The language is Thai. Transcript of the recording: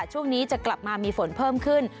ช่วงนี้จะกลับมามีฝนเพิ่มขึ้น